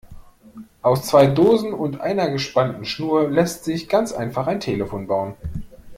Aus zwei Dosen und einer gespannten Schnur lässt sich ganz einfach ein Telefon bauen.